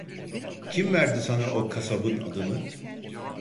Kim verdi sana o kasabın adını.